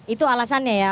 itu alasannya ya